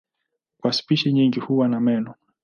Kwa spishi nyingi huwa na meno.